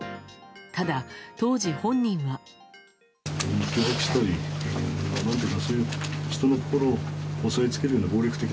ただ、当時本人が。